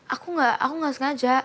aku nggak aku nggak sengaja